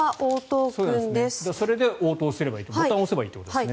それで応答すればいいとボタンを押せばいいということですね。